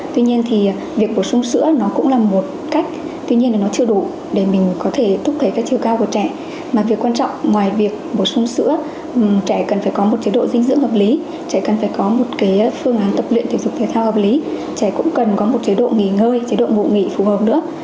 tuy nhiên thì việc bổ sung sữa nó cũng là một cách tuy nhiên là nó chưa đủ để mình có thể thúc đẩy các chiều cao của trẻ mà việc quan trọng ngoài việc bổ sung sữa trẻ cần phải có một chế độ dinh dưỡng hợp lý trẻ cần phải có một phương án tập luyện thể dục thể thao hợp lý trẻ cũng cần có một chế độ nghỉ ngơi chế độ ngủ nghỉ phù hợp nữa